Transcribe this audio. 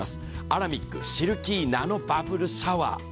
アラミックシルキーナノバブルシャワー。